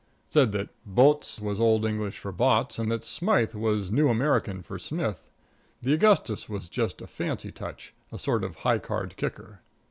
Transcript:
Said that Bottes was old English for Botts, and that Smythe was new American for Smith; the Augustus was just a fancy touch, a sort of high card kicker.